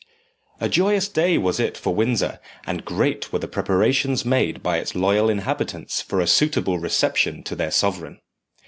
A joyous day was it for Windsor and great were the preparations made by its loyal inhabitants for a suitable reception to their sovereign.